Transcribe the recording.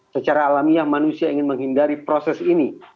secara alamiah manusia ingin menghindari proses ini